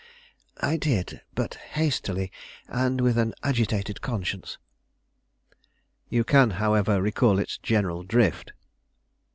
"I did; but hastily, and with an agitated conscience." "You can, however, recall its general drift?"